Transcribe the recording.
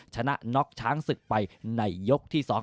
ชนะน็อกช้างศึกไปในยกที่๒